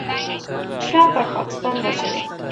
فشار پر پاکستان واچوي.